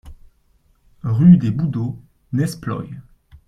Rue des Boudeaux, Nesploy